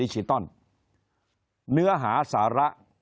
คนในวงการสื่อ๓๐องค์กร